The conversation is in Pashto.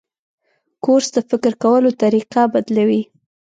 کورس د فکر کولو طریقه بدلوي.